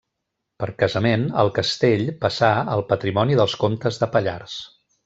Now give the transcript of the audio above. Per casament el castell passà al patrimoni dels comtes de Pallars.